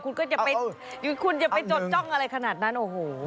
คุณก็จะไปคุณจะไปจดจ้องอะไรขนาดนั้นโอ้โห